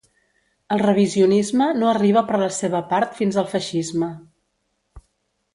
El revisionisme no arriba per la seva part fins al feixisme.